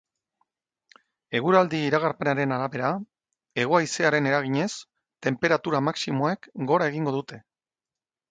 Eguraldi iragarpenaren arabera, hego-haizearen eraginez, tenperatura maximoek gora egingo dute.